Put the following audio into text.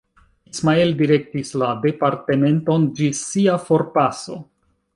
Ismael direktis la departementon ĝis sia forpaso.